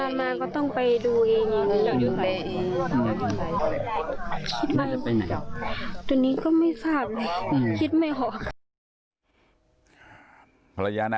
อะไรฉันเป็นวันนี้ก็ไม่สาธิจริงไม่ห่าง